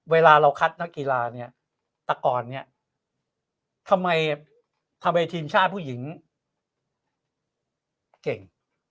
เวลาเราคัดนักกีฬาเนี่ยตะกรเนี่ยทำไมทีมชาติผู้หญิงเก่ง